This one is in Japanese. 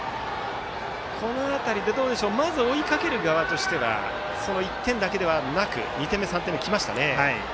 この辺りでまず追いかける側としてはその１点だけではなく２点目、３点目もきましたね。